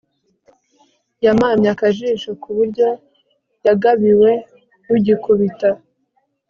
yamamye akajisho ku byo yagabiwe rugikubita